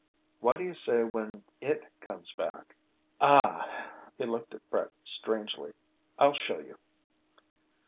"Why do you say 'when "it" comes back'?" "Ah." He looked at Brett strangely. "I'll show you."